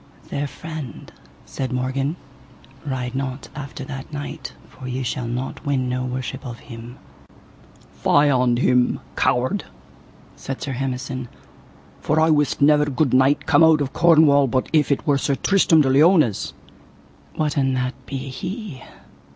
Fair friend, said Morgan, ride not after that knight, for ye shall not win no worship of him. Fie on him, coward, said Sir Hemison, for I wist never good knight come out of Cornwall but if it were Sir Tristram de Liones. What an that be he?